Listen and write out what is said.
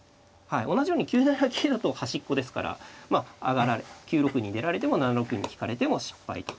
同じように９七桂だと端っこですからまあ上がられ９六に出られても７六に引かれても失敗と。